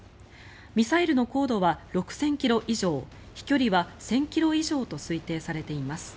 ミサイルの高度は６０００ｋｍ以上飛距離は１０００ｋｍ以上と推定されています。